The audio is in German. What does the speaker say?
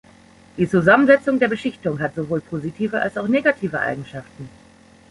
Die Zusammensetzung der Beschichtung hat sowohl positive als auch negative Eigenschaften.